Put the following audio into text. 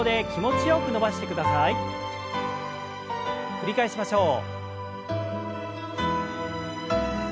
繰り返しましょう。